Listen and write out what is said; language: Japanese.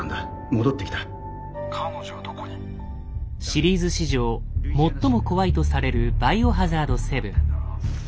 シリーズ史上最も怖いとされる「バイオハザード７」。